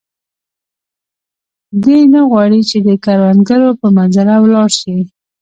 دی نه غواړي چې د کروندګرو په منظره ولاړ شي.